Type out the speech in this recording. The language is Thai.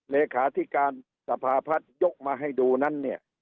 เลขาธิการสภาพัฒน์ยกมาให้ดูนั้นเนี่ย